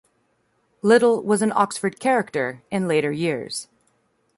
Liddell was an Oxford "character" in later years.